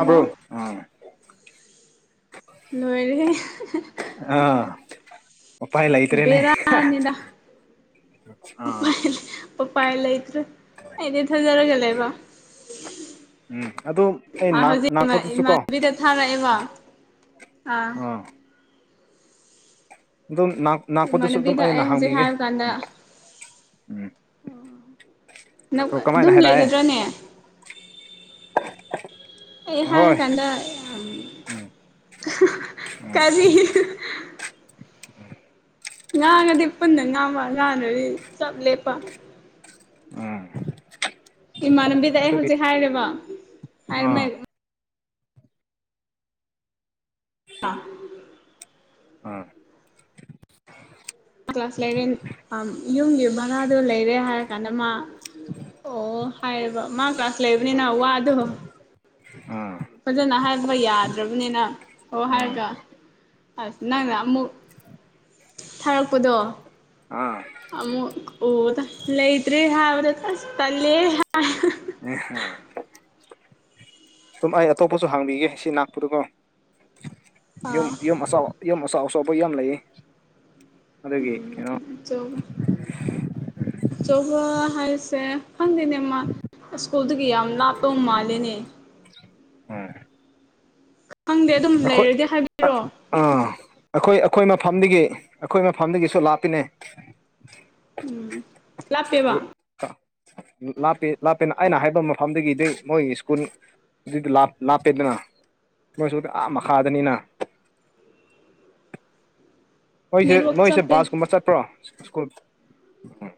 ꯑꯕ꯭ꯔꯣ ꯑ ꯂꯣꯏꯔꯦ ꯑꯥ ꯎꯄꯥꯏ ꯂꯩꯇ꯭ꯔꯦꯅꯦ ꯦꯔꯅꯤꯅ ꯄꯄ ꯑꯥ ꯄꯄ ꯑꯦꯂ ꯏꯇ꯭ꯔꯦ ꯑꯦꯗꯤ ꯊꯣꯏꯖꯔꯦꯒꯂꯦꯕ ꯎꯝ ꯑꯗꯨ ꯑꯩ ꯉꯥꯛꯄꯗꯨꯁꯨ ꯀꯣ ꯊꯥꯔꯛꯑꯦꯕꯣ ꯑꯥ ꯅ ꯀꯗꯁꯨ ꯑꯗꯨ ꯏꯃꯥꯟꯅꯕꯤꯗ ꯑꯩ ꯍꯧꯖꯤꯛ ꯅꯍꯥꯟꯅꯤꯒ ꯍꯥꯏꯕ ꯀꯥꯟꯗ ꯑꯗꯨꯝ ꯂꯩꯒꯗ꯭ꯔꯥꯅꯦ ꯑ ꯑꯩꯍꯥꯟ ꯀꯗ ꯎꯝ ꯎꯝ ꯀꯔꯤ ꯉꯥꯡꯉꯗꯤ ꯄꯨꯟꯅ ꯉꯥꯡꯕ ꯉꯥꯡꯅꯗꯤ ꯆꯞ ꯂꯦꯞꯄ ꯎꯝ ꯏꯃꯥꯟꯅꯕꯤꯗ ꯑꯩ ꯑꯗꯨꯒꯤ ꯍꯧꯖꯤꯛ ꯍꯥꯏꯔꯦꯔꯤꯕ ꯍꯥꯏꯔꯝ ꯑꯥ [unintelligible] ꯎꯝ ꯀ꯭ꯂꯥꯁ ꯂꯦꯚꯦꯟ ꯌꯨꯝꯒꯤ ꯚꯔꯥꯗꯨꯣ ꯂꯩꯔꯦ ꯍꯥꯏꯔ ꯀꯥꯟꯗ ꯃꯥ ꯑꯣ ꯍꯥꯏꯌꯦꯕ ꯃꯥ ꯀ꯭ꯂꯥꯁ ꯂꯩꯕꯅꯤꯅ ꯋꯥ ꯑꯗꯣ ꯑꯥ ꯐꯖꯅ ꯍꯥꯏꯔꯝꯕ ꯌꯥꯗ꯭ꯔꯕꯅꯤꯅ ꯑꯣ ꯑꯥ ꯍꯥꯏꯔꯒ ꯑꯁ ꯅꯪꯅ ꯑꯃꯨꯛ ꯊꯥꯔꯛꯄꯗꯣ ꯑꯥ ꯑꯃꯃꯨ ꯑꯣꯗ ꯂꯩꯇ꯭꯭ꯔꯦ ꯍꯥꯏꯕ꯭ꯔ ꯇꯂꯦ ꯍꯥꯏ ꯎꯝ ꯁꯨꯝ ꯑꯩ ꯑꯇꯣꯞꯄꯁꯨ ꯍꯥꯡꯕꯤꯒꯦ ꯁꯤ ꯂꯥꯛꯄꯗꯨꯀꯣ ꯌꯨꯝ ꯑꯥ ꯌꯨꯝ ꯑꯁꯥꯎ ꯌꯨꯝ ꯑꯁꯥꯎ ꯁꯣꯕ ꯌꯥꯝ ꯂꯩꯌꯦ ꯑꯗꯨꯒꯤ ꯀꯩꯅꯣ ꯑꯆꯧꯕ ꯑꯆꯧꯕ ꯍꯥꯏꯁꯦ ꯐꯪꯗꯦꯅꯦ ꯃꯥ ꯁꯀꯨꯜꯗꯨ ꯀꯌꯥꯅ ꯇꯣ ꯃꯥꯂꯦꯅꯦ ꯍꯣꯏ ꯈꯪꯗꯦ ꯑꯗꯨꯝ ꯣꯏ ꯂꯩꯔꯗꯤ ꯍꯥꯏꯕꯤꯔꯣ ꯑꯥ ꯑꯩꯈꯣꯏ ꯑꯩꯈꯣꯏ ꯃꯐꯝꯗꯒꯤ ꯑꯩꯈꯣꯏ ꯃꯐꯝꯗꯒꯤꯁꯨ ꯂꯥꯞꯄꯤꯅꯦ ꯎꯝ ꯂꯥꯞꯄꯦꯕ ꯂꯥꯞꯄꯦ ꯂꯥꯞꯄꯦꯅ ꯑꯩꯅ ꯍꯥꯏꯕ ꯃꯐꯝꯗꯒꯤꯗꯩ ꯃꯣꯏꯒꯤ ꯁ꯭ꯀꯨꯜ ꯑꯗꯨꯗꯤ ꯂꯥꯞꯄꯦꯗꯅ ꯅꯣꯏꯁꯨ ꯑꯥ ꯃꯈꯥꯗꯅꯤꯅ ꯃꯣꯏꯁꯦ ꯅꯦꯠꯋꯥꯛ ꯅꯣꯏꯁꯦ ꯆꯞꯄꯦ ꯕꯥꯁ ꯀꯨꯝꯕ ꯆꯠꯄ꯭ꯔꯣ ꯁ꯭ꯀꯨꯜ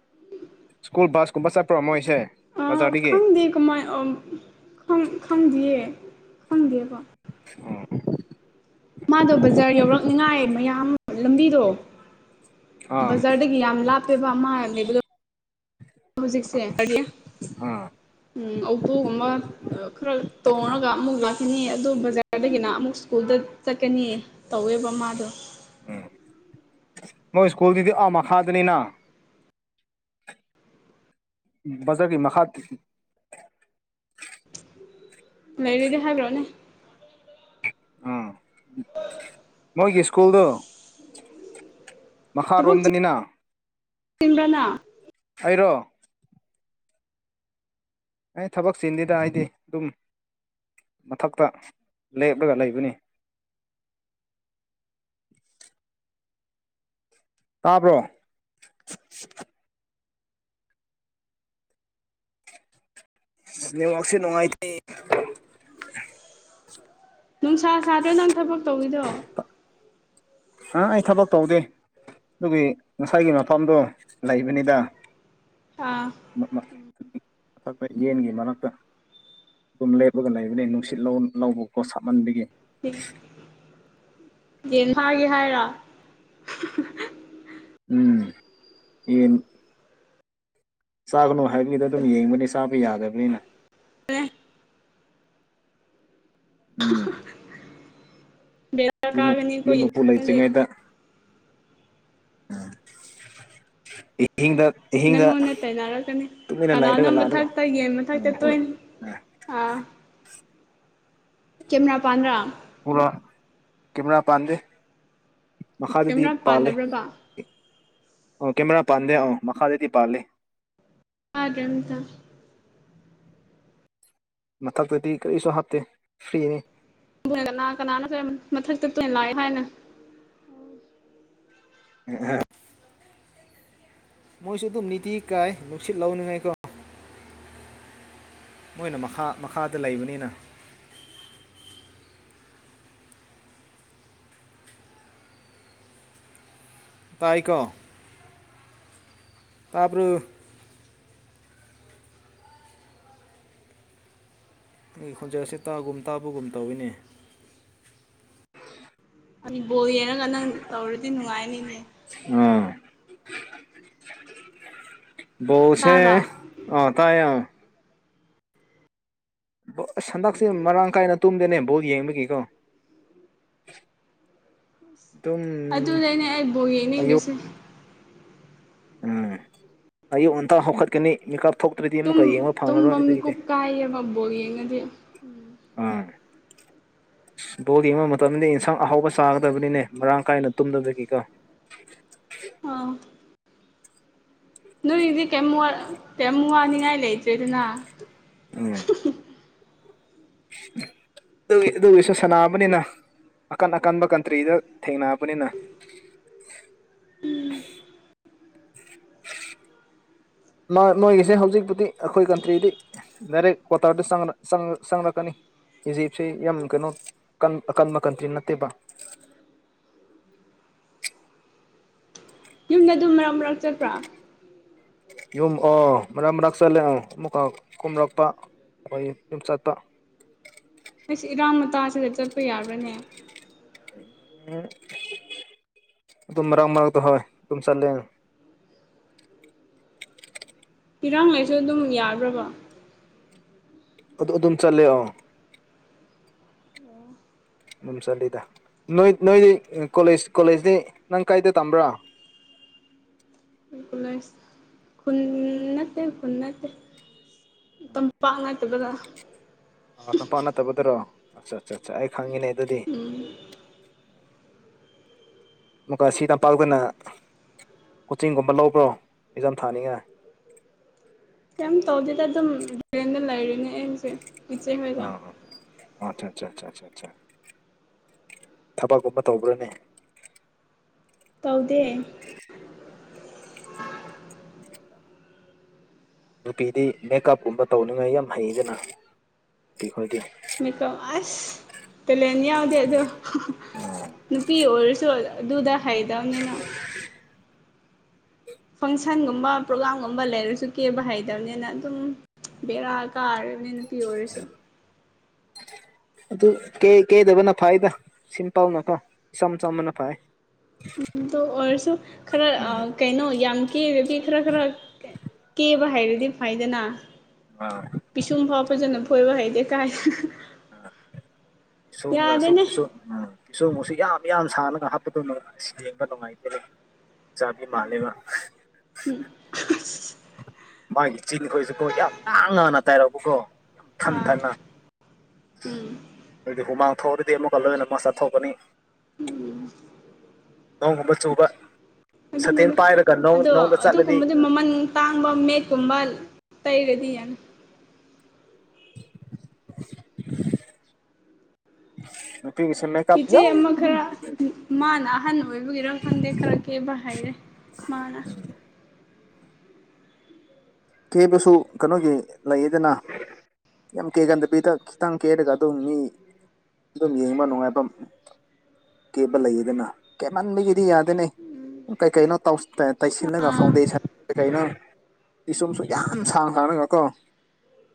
ꯎꯝ ꯁ꯭ꯀꯨꯜ ꯕꯁ ꯀꯨꯝꯕ ꯆꯠꯄ꯭ꯔꯣ ꯃꯣꯏꯁꯦ ꯑ ꯕꯖꯥꯔꯗꯒꯤ ꯈꯪꯗꯦ ꯀꯃꯥꯏꯅ ꯈꯪꯗꯦꯌꯦ ꯈꯪꯗꯦꯀꯣ ꯎ ꯃꯥꯗꯣ ꯕꯖꯥꯔ ꯌꯧꯔꯛꯅꯤꯉꯥꯏ ꯃꯌꯥꯝ ꯂꯝꯕꯤꯗꯣ ꯑꯥ ꯕꯖꯥꯔꯗꯒꯤ ꯌꯥꯝ ꯂꯥꯞꯄꯦꯕ ꯑꯃ ꯂꯩꯕꯗꯣ ꯍꯧꯖꯤꯛꯁꯦ ꯑꯥ ꯎꯝ ꯑꯣꯄꯣꯒꯨꯝꯕ ꯈꯔ ꯇꯣꯡꯉꯒ ꯑꯃꯨꯛ ꯂꯥꯛꯀꯅꯤ ꯑꯗꯨ ꯕꯖꯥꯔꯗꯒꯤꯅ ꯑꯃꯨꯛ ꯁ꯭ꯀꯨꯜꯗ ꯆꯠꯀꯅꯤ ꯇꯧꯋꯦꯕ ꯃꯥꯗꯣ ꯃꯣꯏ ꯁ꯭ꯀꯨꯜꯒꯤꯗꯤ ꯑ ꯃꯈꯥꯗꯅꯤꯅ ꯖꯔꯒꯤ ꯃꯈꯥ ꯂꯩꯔꯤꯗꯤ ꯍꯥꯏꯒ꯭ꯔꯣꯅꯦ ꯑꯥ ꯃꯣꯏꯒꯤ ꯁ꯭ꯀꯨꯜꯗꯨ ꯃꯈꯥꯔꯣꯝꯗꯅꯤꯅ ꯇꯤꯝꯕ꯭ꯔꯥꯅ ꯑꯩꯔꯣ ꯑꯩ ꯊꯕꯛ ꯆꯤꯟꯗꯦꯗ ꯑꯩꯗꯤ ꯑꯗꯨꯝ ꯃꯊꯛꯇ ꯂꯦꯞꯂꯒ ꯂꯩꯕꯅꯤ꯫ ꯇꯥꯕ꯭ꯔꯣ ꯅ꯭ꯋꯦꯔꯥꯛꯁꯦ ꯅꯨꯡꯉꯥꯏꯇꯦ ꯅꯨꯡꯁꯥ ꯁꯥꯗ꯭ꯔ ꯅꯪ ꯊꯕꯛ ꯇꯧꯔꯤꯗꯣ꯫ ꯑꯥ ꯑꯩ ꯊꯕꯛ ꯇꯧꯗꯦ ꯑꯗꯨꯒꯤ ꯉꯁꯥꯏꯒꯤ ꯃꯐꯝꯗꯣ ꯂꯩꯕꯅꯤꯗ꯫ ꯑꯥ ꯃꯊꯛꯇ ꯌꯦꯟꯒꯤ ꯃꯔꯛꯇ꯫ ꯑꯗꯨꯝ ꯂꯦꯞꯄꯒ ꯂꯩꯕꯅꯦ ꯅꯨꯡꯁꯤꯠ ꯂꯧ ꯂꯧꯕꯀꯣ ꯁꯥꯃꯟꯕꯒꯤ꯫ [unintelligible] ꯌꯦꯟ ꯐꯥꯒꯦ ꯍꯥꯏꯔꯣ꯫ ꯎꯝ ꯌꯦꯟ ꯆꯥꯒꯅꯣ ꯍꯥꯏꯕꯤꯗ ꯑꯗꯨꯝ ꯌꯦꯡꯕꯅꯦ ꯆꯥꯕ ꯌꯥꯗꯕꯅꯤꯅ꯫ ꯑꯦ ꯎꯝ ꯕꯦꯔ ꯌꯨꯝ ꯀꯥꯒꯅꯤꯀꯣ ꯌꯨꯝ ꯏ ꯃꯄꯨ ꯕꯟꯅꯤ꯫ ꯂꯩꯇ꯭ꯔꯤꯉꯩꯗ ꯏꯍꯤꯡꯗ ꯅꯪꯉꯣꯟꯅ ꯇꯩꯅꯩꯅꯔꯛꯀꯅꯤ ꯀꯅꯥꯅ ꯂꯩꯔꯒ ꯂꯥꯛꯂꯒ ꯃꯊꯛꯇ ꯌꯦꯟ ꯃꯊꯛꯇ ꯇꯣꯏꯅ ꯑꯥ ꯀꯦꯃꯦꯔꯥ ꯄꯥꯟꯗ꯭ꯔꯥ ꯥ ꯀꯦꯃꯦꯔꯥ ꯄꯥꯟꯗꯦ ꯃꯈꯥꯗꯗꯤ ꯀꯦꯃꯦꯔꯥ ꯄꯥꯜꯂꯦ꯫ ꯄꯥꯟꯗꯕ꯭ꯔꯕ ꯑꯣ ꯀꯦꯃꯦꯔꯥ ꯄꯥꯟꯗꯦ ꯑ ꯃꯈꯥꯗꯗꯤ ꯄꯥꯜꯂꯦ꯫ [unintelligible] ꯃꯊꯛꯇꯗꯤ ꯀꯔꯤꯁꯨ ꯍꯥꯞꯇꯦ ꯐ꯭ꯔꯤꯅꯤ ꯀꯅꯥ ꯀꯅꯥꯅꯣ ꯁꯦ ꯃꯊꯛꯇ ꯇꯣꯏ ꯂꯥꯛꯑꯦ ꯍꯥꯏꯅꯦ ꯃꯣꯏꯁꯨ ꯑꯗꯨꯝ ꯅꯤꯇꯤ ꯀꯥꯏ ꯅꯨꯡꯁꯤꯠ ꯂꯥꯎꯅꯤꯉꯥꯏꯀꯣ ꯃꯣꯏꯅ ꯃꯈꯥ ꯃꯈꯥꯗ ꯂꯩꯕꯅꯤꯅ ꯇꯏꯀꯣ ꯇꯕ꯭ꯔꯣ ꯑꯩꯒꯤ ꯈꯣꯟꯖꯦꯜꯁꯦ ꯇꯥꯒꯨꯝ ꯇꯥꯕꯒꯨꯝ ꯇꯧꯏꯅꯦ ꯑꯥ ꯕꯣꯜ ꯌꯦꯡꯉꯒ ꯅꯪ ꯇꯧꯔꯗꯤ ꯅꯨꯡꯉꯥꯏꯅꯤꯅꯦ ꯎꯝ ꯕꯣꯜꯁꯦ ꯇꯥꯕ꯭ꯔꯥ ꯑꯥ ꯇꯥꯏ ꯑꯥ ꯑꯁ ꯍꯟꯗꯛꯁꯦ ꯃꯔꯥꯡ ꯀꯥꯏꯅ ꯇꯨꯝꯗꯦꯅꯦ ꯕꯣꯜ ꯌꯦꯡꯕꯒꯤꯀꯣ ꯑꯗꯨꯝ ꯑꯗꯨꯗꯅꯦ ꯑꯩ ꯕꯣꯜ ꯑꯌꯨꯛ ꯌꯦꯡꯅꯤꯡꯗ꯭ꯔꯤꯁꯦ ꯎꯝ ꯑꯌꯨꯛ ꯉꯟꯇ ꯍꯧꯈꯠꯀꯅꯤ ꯃꯤꯀꯞ ꯊꯣꯛꯇ꯭ꯔꯗꯤ ꯇꯨꯝ ꯑꯃꯨꯛꯀ ꯌꯦꯡꯕ ꯇꯨꯝꯕ ꯐꯪꯉꯔꯣꯏ ꯑꯗꯨꯒꯤꯗꯤ ꯃꯤꯀꯨꯞ ꯀꯥꯏꯌꯦꯕ ꯕꯣꯜ ꯌꯦꯡꯉꯗꯤ ꯑꯥ ꯕꯣꯜ ꯌꯦꯡꯕ ꯃꯇꯝꯗꯤ ꯏꯟꯁꯥꯡ ꯑꯍꯥꯎꯕ ꯆꯥꯒꯗꯕꯅꯤꯅꯦ ꯃꯔꯥꯡ ꯀꯥꯏꯅ ꯇꯨꯝꯗꯕꯗꯒꯤꯀꯣ ꯑꯥ ꯅꯣꯏꯒꯤꯗꯤ ꯀꯩꯝ ꯋꯥ ꯀꯩꯝ ꯋꯥꯅꯤꯡꯉꯥꯏ ꯂꯩꯇ꯭ꯔꯦꯗꯅ ꯎꯝ ꯑꯗꯨꯏ ꯑꯗꯨꯒꯤꯁꯨ ꯁꯅꯥꯕꯅꯤꯅ ꯑꯀꯟ ꯑꯀꯟꯕ ꯀꯟꯇ꯭ꯔꯤꯗ ꯊꯦꯡꯅꯕꯅꯤꯅ ꯅꯥ ꯅꯣꯏꯒꯤꯁꯦ ꯍꯧꯖꯤꯛꯄꯨꯗꯤ ꯑꯈꯣꯏ ꯀꯟꯇ꯭ꯔꯤꯗꯤ ꯗꯥꯏꯔꯦꯛ ꯀ꯭ꯋꯥꯇꯔꯗ ꯆꯪꯔ ꯆꯪ ꯆꯪꯔꯛꯀꯅꯤ ꯏꯖꯤꯞꯁꯦ ꯌꯥꯝ ꯀꯩꯅꯣ ꯀꯟ ꯑꯀꯟꯕ ꯀꯟꯇ꯭ꯔꯤ ꯅꯠꯇꯦꯕ ꯌꯨꯝꯗ ꯑꯗꯨꯝ ꯃꯔꯛ ꯃꯔꯛ ꯆꯠꯄ꯭ꯔꯥ ꯌꯨꯝ ꯑꯣ ꯃꯔꯛ ꯃꯔꯛ ꯆꯠꯂꯦ ꯑꯥ ꯑꯃꯨꯛꯀꯥ ꯀꯨꯝꯂꯛꯄ ꯑꯈꯣꯏ ꯌꯨꯝ ꯆꯠꯄ [unintelligible] ꯏꯁ ꯏꯔꯥꯡ ꯃꯇꯥꯁꯤꯒ ꯆꯠꯄ ꯌꯥꯕ꯭ꯔꯥꯅꯦ ꯑꯗꯨꯝ ꯃꯔꯛ ꯃꯔꯛꯇ ꯍꯣꯏ ꯇꯨꯝ ꯆꯠꯂꯦꯅꯦ ꯏꯔꯥꯡꯉ ꯂꯩꯁꯨ ꯑꯗꯨꯝ ꯌꯥꯕ꯭ꯔꯕ ꯑꯗꯨ ꯑꯗꯨꯝ ꯆꯠꯂꯦ ꯑꯣ ꯎꯝ ꯆꯠꯂꯤꯗ ꯅꯣꯏ ꯅꯣꯏꯗꯤ ꯀꯣꯂꯦꯖ ꯀꯣꯂꯦꯖꯇꯤ ꯅꯪ ꯀꯥꯏꯗ ꯇꯝꯕ꯭ꯔꯣ ꯀꯣꯂꯦꯖ ꯈ ꯈꯨꯟ ꯅꯠꯇꯦ ꯈꯨꯟ ꯅꯠꯇꯦ ꯇꯝꯄꯥꯛ [unintelligible] ꯑꯥ ꯇꯝꯄꯥ ꯅꯠꯇꯕꯗꯔꯣ ꯑꯆꯥ ꯑꯠꯆꯥ ꯑꯆꯥ ꯑꯩ ꯈꯪꯉꯤꯅꯦ ꯑꯗꯨꯗꯤ ꯑꯃꯨꯀꯥ ꯁꯤꯗ ꯄꯥꯎꯒꯅ ꯀꯣꯆꯤꯡꯒꯨꯝꯕ ꯂꯧꯕ꯭ꯔꯣ ꯑꯦꯛꯖꯥꯝ ꯊꯥꯅꯤꯡꯉꯥꯏ ꯀꯩꯝ ꯇꯧꯗꯦꯗ ꯑꯗꯨꯝ ꯔꯦꯟꯗ ꯂꯩꯔꯤꯅꯦ ꯑꯩꯁꯦ ꯏꯆꯦ ꯍꯣꯏꯒ ꯑꯥ ꯑꯆꯥ ꯑꯆꯥ ꯊꯕꯛꯀꯨꯝꯕ ꯇꯧꯕ꯭ꯔꯅꯦ ꯇꯧꯗꯦ [unintelligible] ꯅꯨꯄꯤꯗꯤ ꯃꯦꯀꯞꯀꯨꯝꯕ ꯇꯧꯅꯤꯡꯉꯥꯏ ꯌꯥꯝ ꯍꯩꯗꯅ ꯅꯨꯄꯤ ꯈꯣꯏꯗꯤ ꯃꯦꯀꯞ ꯑꯁ ꯇꯦꯂꯦꯟ ꯌꯥꯎꯗꯦ ꯑꯗꯣ ꯅꯨꯄꯤ ꯑꯣꯏꯔꯁꯨ ꯑꯗꯨꯗꯨꯥ ꯍꯧꯇꯥꯝꯅꯤꯅ ꯐꯪꯁꯟꯒꯨꯝꯕ ꯄ꯭ꯔꯣꯒꯥꯝꯒꯨꯝꯕ ꯂꯩꯔꯁꯨ ꯀꯦꯕ ꯍꯩꯇꯕꯅꯤꯅ ꯑꯗꯨꯝ ꯕꯦꯔꯥ ꯀꯥꯔꯤꯝꯅꯦ ꯅꯨꯄꯤ ꯑꯣꯏꯔꯁꯨ [unintelligible] ꯑꯗꯨ ꯀꯦ ꯀꯦꯗꯕꯅ ꯐꯥꯏꯗ ꯁꯤꯝꯄꯜꯅꯀꯣ ꯏꯆꯝ ꯆꯝꯕꯅ ꯐꯩ ꯑꯗꯨ ꯑꯣꯏꯔꯁꯨ ꯈꯔ ꯎꯝ ꯀꯩꯅꯣ ꯌꯥꯝ ꯀꯦꯗꯕꯤ ꯈꯔ ꯈꯔ ꯀꯦꯕ ꯍꯥꯏꯔꯗꯤ ꯐꯥꯏꯗꯅ ꯑꯥꯎ ꯄꯤꯁꯨꯝ ꯐꯥꯎ ꯐꯖꯅ ꯐꯣꯏꯕ ꯍꯥꯏꯩꯗꯦ ꯀꯥꯏ ꯑ ꯁꯣꯝꯒ ꯁ ꯌꯥꯗꯦꯅꯦ ꯁ ꯎꯝ ꯄꯤꯁꯣ ꯃꯨꯛꯁꯨ ꯌꯥꯝ ꯌꯥꯝ ꯁꯥꯟꯅꯒ ꯍꯥꯞꯄꯗꯣ ꯌꯦꯦꯡꯕ ꯅꯨꯡꯉꯥꯏꯇꯦ ꯆꯕꯤ ꯃꯥꯂꯦꯕ ꯎꯝ ꯃꯥꯒꯤ ꯆꯤꯟꯈꯣꯏꯁꯨ ꯀꯣ ꯌꯥꯝ ꯇꯥꯡ ꯅꯥꯅ ꯇꯥꯏꯔꯛꯎꯀꯣ ꯑꯥ ꯎꯝ ꯑꯗꯨꯗꯤ ꯍꯨꯃꯥꯡ ꯊꯣꯛꯑꯔꯗꯤ ꯑꯃꯨꯛꯀ ꯂꯣꯏꯅꯃꯛꯨꯛ ꯆꯠꯊꯣꯛꯀꯅꯤ ꯅꯣꯡꯒꯨꯝꯕ ꯆꯨꯕ ꯁꯇꯦꯟ ꯑꯗꯨꯅꯤꯗ ꯄꯥꯏꯔꯒ ꯅꯣꯡꯗ ꯆꯠꯂꯗꯤ ꯑꯇꯥꯡꯕ ꯃꯦꯠꯀꯨꯝꯕ ꯇꯩꯔꯗꯤ ꯌꯥꯝ ꯇꯁꯅ ꯏꯆꯦ ꯑꯃ ꯀꯄꯂꯝꯂꯝ ꯈꯔ ꯃꯥꯅ ꯑꯍꯟ ꯑꯣꯏꯕꯒꯤꯔ ꯈꯪꯗꯦ ꯈꯔꯛ ꯀꯦꯕ ꯍꯥꯏꯔꯦ ꯃꯥꯅ ꯀꯦꯕꯁꯨ ꯀꯩꯅꯣꯒꯤ ꯂꯩꯌꯦꯗꯅ ꯌꯥꯝ ꯀꯦꯀꯟꯗꯕꯤꯗ ꯈꯤꯇꯪ ꯀꯦꯔꯒ ꯑꯗꯨꯝ ꯃꯤ ꯑꯗꯨꯝ ꯌꯦꯡꯕ ꯅꯨꯡꯉꯥꯏꯐꯝ ꯀꯦꯕ ꯂꯩꯌꯦꯗꯅ ꯀꯦꯞꯃꯟꯕꯒꯤꯗꯤ ꯌꯥꯗꯦꯅꯦ ꯀꯩꯀꯩꯅꯣ ꯇꯩꯁꯤꯜꯂꯒ ꯑꯥ ꯐꯥꯎꯟꯗꯦꯁꯟ ꯀꯩꯀꯩꯅꯣ ꯑꯩ ꯁꯨꯝꯁꯨ ꯌꯥꯝ ꯁꯥꯡꯅ ꯁꯥꯡꯅꯒ ꯀꯣ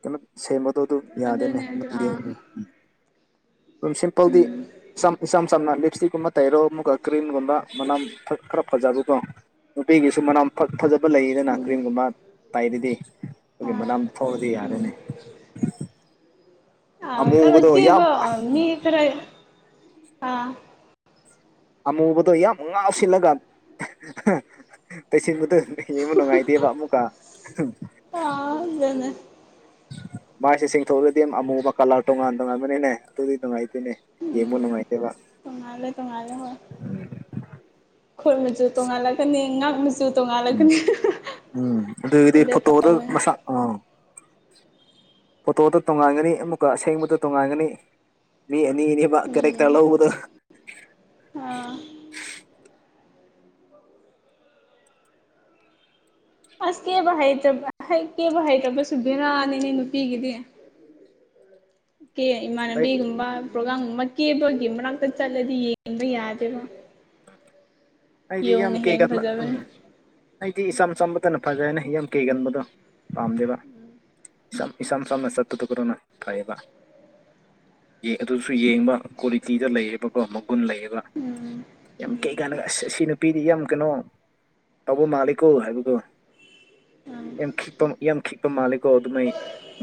ꯀꯩꯅꯣ ꯁꯦꯝꯕꯗꯣ ꯑꯗꯨ ꯌꯥꯗꯦꯅꯦ ꯑꯗꯨꯅꯦ ꯑꯗꯨ ꯑꯗꯨꯪ ꯌꯦꯡ ꯑꯥ ꯑꯗꯨꯝ ꯁꯤꯝꯄꯜꯗꯤ ꯎꯝ ꯏꯁꯝ ꯏꯁꯝ ꯁꯝꯅ ꯂꯤꯞ ꯏꯁꯇꯤꯛꯀꯨꯝꯕ ꯇꯩꯔꯣ ꯑꯃꯨꯛꯈꯛ ꯀ꯭ꯔꯤꯝꯒꯨꯝꯕ ꯃꯅꯝ ꯈꯔ ꯐꯖꯕꯀꯣ ꯅꯨꯄꯤꯒꯤꯁꯨ ꯃꯅꯝ ꯐꯖꯕ ꯂꯩꯌꯦꯗꯅ ꯎꯝ ꯀ꯭ꯔꯤꯝꯒꯨꯝꯕ ꯇꯥꯏꯔꯗꯤ ꯑꯗꯨꯈꯒꯤ ꯑꯥ ꯃꯅꯥꯝ ꯐꯔꯗꯤ ꯎꯝ ꯌꯥꯔꯅꯤ ꯑ ꯀꯔꯣ ꯑꯃꯨꯕꯗꯣ ꯌꯥꯝ ꯀꯕ ꯃꯤ ꯈꯔ ꯑ ꯑꯃꯨꯕꯗꯣ ꯌꯥꯝ ꯉꯥꯎꯁꯤꯜꯂꯒ ꯇꯩꯁꯟꯕꯗ ꯌꯦꯡꯕ ꯅꯨꯡꯉꯥꯏꯇꯦꯕ ꯑꯃꯨꯛꯀ ꯑ ꯑꯗꯨꯅꯦ ꯃꯥꯏꯁꯦ ꯆꯦꯡꯊꯣꯛꯑꯗꯤ ꯑꯃꯨꯕ ꯀꯥꯂꯥ꯭ꫪ ꯇꯣꯉꯥꯟ ꯇꯣꯉꯥꯟꯕꯅꯤꯅꯦ ꯑꯗꯨꯗꯤ ꯅꯨꯡꯉꯥꯏꯇꯦꯅꯦ ꯌꯦꯡꯕ ꯎꯝ ꯅꯨꯡꯉꯥꯏꯇꯦꯕ ꯇꯣꯡꯉꯥꯜꯂꯦ ꯇꯣꯡꯉꯥꯜꯂꯦ ꯍꯣꯏ ꯈꯨꯠ ꯃꯆꯨ ꯇꯣꯡꯉꯥꯜꯂꯛꯀꯅꯤ ꯉꯥꯛ ꯃ ꯎꯝ ꯎꯝ ꯑꯗꯨꯗꯤ ꯑꯗꯨ ꯐꯣꯇꯣꯗ ꯇꯧꯕꯅꯦ ꯃꯁꯛ ꯎꯝ ꯐꯣꯇꯣꯗ ꯇꯣꯉꯥꯟꯒꯅꯤ ꯑꯃꯨꯛꯀ ꯑꯁꯦꯡꯕꯗ ꯇꯣꯉꯥꯟꯒꯅꯤ ꯃꯤ ꯑꯅꯤ ꯅꯦꯕ ꯎꯝ ꯀꯦꯔꯦꯛꯇꯔ ꯂꯧꯕꯗꯣ ꯑꯥ ꯑꯁ ꯀꯦꯕ ꯍꯩꯇꯕ ꯍꯩ ꯀꯦꯕ ꯍꯩꯇꯕꯁꯨꯕꯦꯔꯥ ꯅꯦꯑꯦ ꯅꯨꯄꯤꯒꯤꯗꯤ [inaudible] ꯀꯦ ꯑꯩ ꯏꯃꯥꯟꯅꯕꯤꯒꯨꯝꯕ ꯄ꯭ꯔꯣꯒꯥꯝꯒꯨꯝꯕ ꯀꯦꯕꯒꯤ ꯃꫪꯛꯇ ꯆꯠꯂꯗꯤ ꯌꯦꯡꯕ ꯌꯥꯗꯦꯕ ꯑꯩꯗꯤ ꯌꯥꯝ ꯌꯣꯡꯅ ꯍꯦꯟꯅ ꯀꯦꯒꯟꯕ ꯎꯝ ꯐꯖꯕꯅꯦ ꯑꯩꯗꯤ ꯏꯆꯝ ꯆꯝꯕꯇꯅ ꯐꯖꯥꯅꯦ ꯌꯥꯝ ꯀꯩꯒꯟꯕꯗꯣ ꯄꯥꯝꯗꯦꯕ ꯏꯁꯝ ꯏꯁꯥꯝ ꯁꯝꯅ ꯆꯠꯐꯗꯨ ꯑꯗꯨꯅ ꯐꯩꯌꯦꯕ ꯑꯗꯨꯁꯨ ꯌꯦꯡꯕ ꯀ꯭ꯋꯥꯂꯤꯇꯤꯗ ꯂꯩꯔꯕꯀꯣ ꯃꯒꯨꯟ ꯂꯩꯌꯦꯕ ꯎꯝ ꯌꯥꯝ ꯀꯩ ꯀꯥꯟꯅ ꯑꯁ ꯑꯁꯤ ꯅꯨꯄꯤꯗꯤ ꯌꯥꯝ ꯀꯅꯣ ꯇꯧꯕ ꯃꯥꯜꯂꯤꯀꯣ ꯍꯥꯏꯕꯀꯣ ꯎꯝ ꯌꯥꯝ ꯈꯤꯛꯄ ꯌꯥꯝ ꯈꯤꯛꯄ ꯃꯥꯜꯂꯤꯀꯣ ꯑꯗꯨꯃꯥꯏ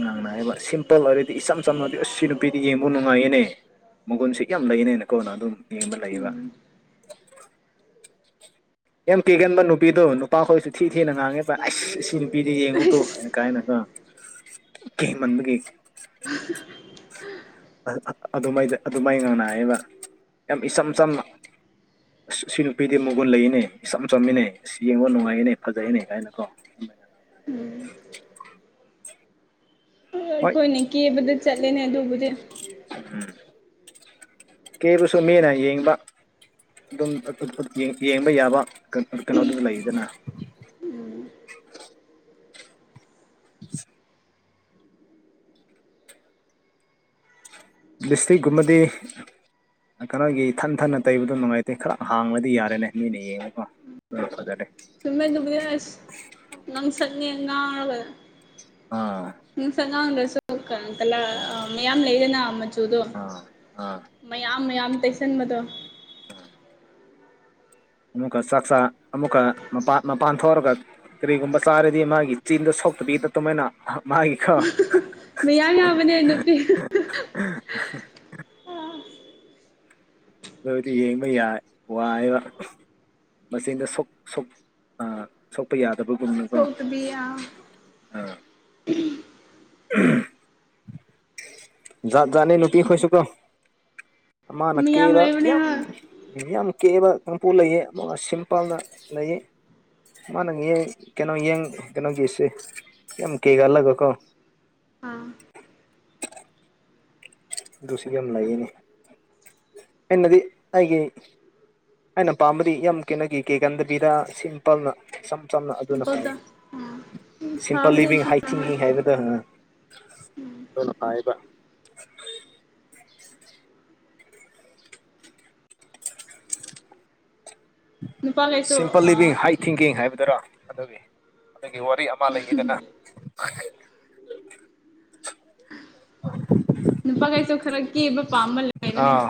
ꯉꯥꯡꯅꯏꯕ ꯁꯤꯝꯄꯜ ꯑꯣꯏꯔꯗꯤ ꯏꯆꯝ ꯆꯝꯃꯗꯤ ꯑꯁ ꯁꯤ ꯅꯨꯄꯤꯗꯤ ꯌꯦꯡꯕ ꯅꯨꯡꯉꯥꯏꯌꯦꯅꯦ ꯃꯪꯒꯨꯟ ꯁꯤ ꯌꯥꯝ ꯂꯩꯅꯦꯅꯀꯣꯅ ꯑꯗꯨꯝ ꯌꯦꯡꯕ ꯂꯩꯌꯦꯕ [inaudible] ꯌꯥꯝ ꯀꯦꯒꯟꯕ ꯅꯨꯄꯤꯗꯣ ꯅꯨꯄꯥꯈꯣꯏꯁꯨ ꯊꯤ ꯊꯤꯅ ꯉꯥꯡꯉꯦꯕ ꯑꯁ ꯁꯤ ꯅꯨꯄꯤꯗꯤ ꯌꯦꯡꯉꯣꯇꯨ ꯀꯥꯏꯅ ꯀꯣ ꯀꯩ ꯃꯟꯕꯒꯤ ꯑꯗꯨꯃꯥꯏꯗ ꯑꯗꯨꯃꯥꯏ ꯉꯥꯡꯅꯩꯌꯦꯕ ꯌꯥꯝ ꯏ ꯁꯝ ꯆꯝꯅ ꯑꯁ ꯁꯤ ꯅꯨ ꯅꯨꯄꯤꯗꯤ ꯃꯒꯨꯟ ꯂꯩꯌꯦꯅꯦ ꯏꯆꯝ ꯆꯝꯃꯤꯅꯦ ꯑꯁ ꯌꯦꯡꯕ ꯅꯨꯡꯉꯥꯏꯌꯦꯅꯦ ꯐꯖꯩꯅꯦ ꯀꯥꯏꯅꯀꯣ ꯍꯣꯏ ꯑꯩꯈꯣꯏꯅ ꯀꯦꯕꯗ ꯆꯠꯂꯦꯅꯦ ꯑꯗꯨꯕꯨꯗꯤ ꯎꯝ ꯀꯦꯕꯁꯨ ꯃꯤꯅ ꯌꯦꯡꯕ ꯑꯗꯨꯝ ꯌꯦꯡꯕ ꯌꯥꯕ ꯀꯩꯅꯣꯗꯨ ꯂꯩꯗꯅ ꯎꯝ [inaudible] ꯂꯤꯁꯇꯤꯛꯒꯨꯝꯃꯗꯤ ꯀꯅꯒꯤ ꯊꯟ ꯊꯟꯅ ꯇꯩꯕꯗꯣ ꯅꯨꯡꯉꯥꯏꯇꯦ ꯈꯔ ꯍꯥꯡꯂꯗꯤ ꯌꯥꯔꯦꯅꯦ ꯃꯤꯅ ꯌꯦꯡꯕꯀꯣ ꯎꯝ ꯐꯖꯔꯦ ꯆꯨꯝꯃꯦ ꯑꯗꯨꯕꯤꯗ ꯑꯁ ꯉꯥꯡꯁꯛꯅꯦ ꯉꯥꯡꯔꯒ ꯑꯥ ꯉꯥꯡꯁꯛ ꯉꯥꯡꯗ꯭ꯔꯁꯨ ꯀꯂꯥ ꯃꯌꯥꯝ ꯂꯩꯌꯦꯅ ꯃꯆꯨꯗꯣ ꯑꯥ ꯑꯥ ꯃꯌꯥꯝ ꯃꯌꯥꯝ ꯇꯩꯁꯟꯕꯗꯣ ꯑ ꯑꯃꯨꯛꯀ ꯆꯥꯛꯆꯥ ꯑꯃꯨꯛꯀ ꯃꯥꯄꯥꯟ ꯃꯄꯥꯟ ꯊꯣꯔꯒ ꯀꯔꯤꯒꯨꯝꯕ ꯆꯥꯔꯗꯤ ꯃꯥꯒꯤ ꯆꯤꯟꯗꯣ ꯁꯣꯛꯇꯕꯤꯗ ꯇꯨꯃꯥꯏꯅ ꯃꯥꯒꯤꯀꯣ ꯃꯌꯥꯝ ꯌꯥꯎꯕꯅꯦ ꯅꯨꯄꯤ ꯑꯗꯣꯏꯗꯤ ꯌꯦꯡꯕ ꯌꯥꯏ ꯋꯥꯏꯕ ꯃꯆꯤꯟꯗ ꯁꯣꯛ ꯁꯣꯛ ꯑꯥ ꯁꯣꯛꯄ ꯌꯥꯗꯕꯒꯨꯝꯅꯀꯣ ꯁꯣꯛꯇꯕꯤ ꯑꯥ ꯥꯑꯨꯝ ꯖꯥꯛ ꯖꯥꯠꯅꯦ ꯅꯨꯄꯤꯈꯣꯏꯁꯨ ꯀꯣ ꯑꯃꯥꯅ ꯃꯌꯥꯝ ꯀꯦꯕ ꯂꯩꯕꯅꯦ ꯌꯝ ꯍꯣꯏ ꯌꯥꯝ ꯀꯦꯕ ꯀꯥꯡꯄꯨ ꯂꯩꯌꯦ ꯑꯃꯨꯛꯒ ꯁꯤꯝꯄꯜꯗ ꯂꯩꯌꯦ ꯃꯥꯅ ꯉꯦ ꯀꯩꯅꯣꯌꯦꯡ ꯀꯩꯅꯣꯒꯤꯁꯦ ꯌꯥꯝ ꯀꯩꯒꯜꯂꯒꯀꯣ [inaudible] ꯑꯥ ꯂꯨꯁꯤꯒꯤ ꯌꯥꯝ ꯂꯩꯌꯦꯅꯤ ꯑꯦꯟꯅꯗꯤ ꯑꯩꯒꯤ ꯑꯩꯅ ꯄꯥꯝꯕꯗꯤ ꯌꯥꯝ ꯀꯦꯅꯈꯤ ꯀꯦꯀꯟꯗꯕꯤꯗ ꯁꯤꯝꯄꯜꯅꯝ ꯆꯝꯅ ꯑꯗꯨꯅ ꯈ ꯁꯤꯝꯄꯜꯗ ꯑꯥ ꯁꯤꯝꯄꯜ ꯐꯕꯅꯦ ꯂꯤꯚꯡ ꯍꯥꯏ ꯑꯗꯨꯅ ꯍꯣꯏ ꯊꯤꯡꯀꯤꯡ ꯍꯥꯏꯕꯗ ꯑꯣ ꯍꯕ [inaudible] ꯅꯨꯄꯥꯈꯩꯁꯨ ꯁꯤꯝꯄꯜ ꯂꯤꯚꯡ ꯍ ꯊꯤꯡꯀꯤꯡ ꯍꯥꯏꯕꯗꯨꯔꯣ ꯑꯗꯨꯒꯤ ꯑꯗꯨꯒꯤ ꯋꯥꯔꯤ ꯑꯃ ꯂꯩꯒꯤꯗꯅ ꯑ ꯅꯨꯄꯥ ꯀꯩꯁꯨ ꯈꯔ ꯀꯦꯕ ꯄꯥꯝꯕꯃ ꯂꯩ ꯑꯥ